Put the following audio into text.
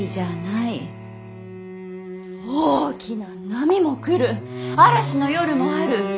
大きな波も来る嵐の夜もある。